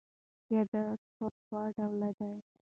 سیادت پر دوه ډوله دئ.